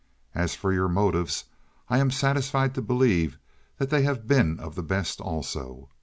As for your motives, I am satisfied to believe that they have been of the best also.